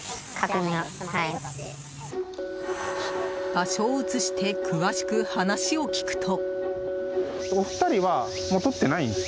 場所を移して詳しく話を聞くと。